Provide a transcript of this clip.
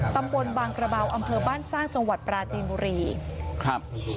ตำบลบางกระเบาอำเภอบ้านสร้างจังหวัดปราจีนบุรีครับ